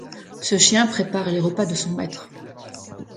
Ce chien prépare les repas de son maitre.